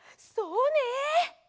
そうね！